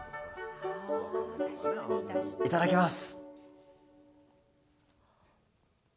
いただきます。